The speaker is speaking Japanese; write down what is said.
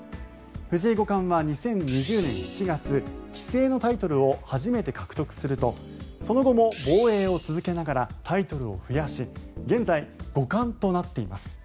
藤井五冠は２０２０年７月棋聖のタイトルを初めて獲得するとその後も防衛を続けながらタイトルを増やし現在、五冠となっています。